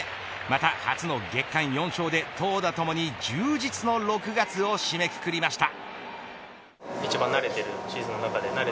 また初の月間４勝で投打ともに充実の６月を締めくくりました。